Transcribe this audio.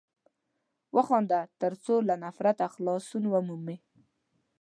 وخانده تر څو له نفرته خلاصون ومومې!